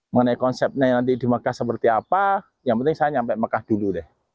mengenai konsepnya nanti di mekah seperti apa yang penting saya nyampe mekah dulu deh